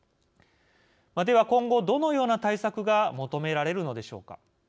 では今後どのような対策が求められるのでしょうか。